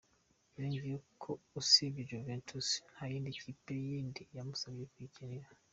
Yongeyeho ko usibye Juventus, nta yindi kipe yindi yari yamusabye kuyikinira.